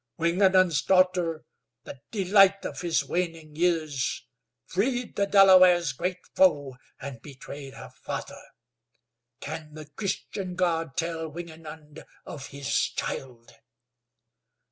Wingenund's daughter, the delight of his waning years, freed the Delaware's great foe, and betrayed her father. Can the Christian God tell Wingenund of his child?"